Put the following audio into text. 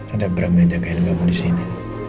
ada bram yang jagain kamu disini